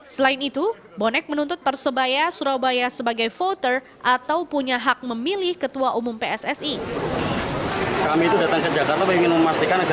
selain itu bonek menuntut persebaya surabaya sebagai voter atau punya hak memilih ketentuan